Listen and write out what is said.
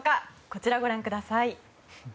こちらご覧ください。